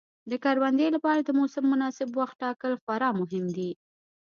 د کروندې لپاره د موسم مناسب وخت ټاکل خورا مهم دي.